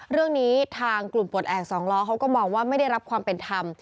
เรื่องนี้ทางกลุ่มปลดแอบสองล้อเขาก็มองว่าไม่ได้รับความเป็นธรรม